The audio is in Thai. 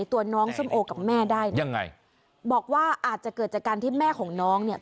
ตัวน้องส้มโอกับแม่ได้นะยังไงบอกว่าอาจจะเกิดจากการที่แม่ของน้องเนี่ย